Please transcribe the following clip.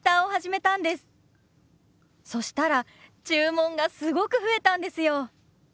そしたら注文がすごく増えたんですよ。